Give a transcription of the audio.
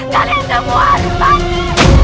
kalian semua harus bantu